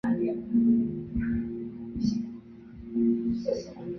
贝达是一个位于美国阿拉巴马州卡温顿县的非建制地区。